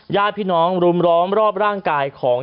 ญาติพี่น้องรุมร้อมรอบร่างกายของ